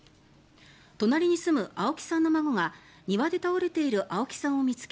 隣に住む青木さんの孫が庭で倒れている青木さんを見つけ